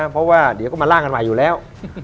เพราะว่าเดี๋ยวก็มาล่างกันใหม่อยู่แล้ว